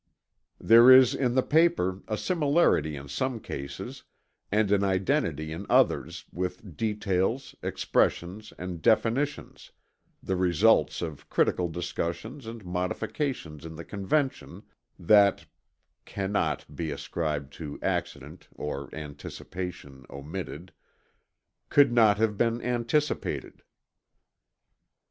"There is in the paper a similarity in some cases, and an identity in others, with details, expressions, and definitions, the results of critical discussions and modifications in the Convention, that ["cannot be ascribed to accident or anticipation" omitted] could not have been anticipated.